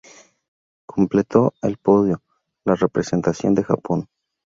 Completó el podio la representación de Japón.